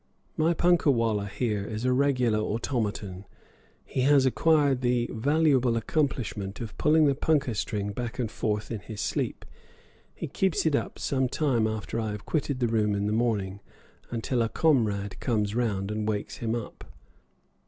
My punkah wallah here is a regular automaton he has acquired the valuable accomplishment of pulling the punkah string back and forth in his sleep; he keeps it up some time after I have quitted the room in the morning, until a comrade comes round and wakes him up.